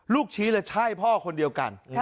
ลูกชี้แล้วใช่พ่อคนเดียวกัน